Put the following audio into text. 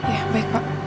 ya baik pak